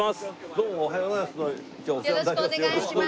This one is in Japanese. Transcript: どうもおはようございます。